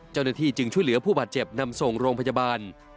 เจ้าหน้าที่จึงช่วยเหลือผู้บาดเจ็บนำส่งโรงพยาบาล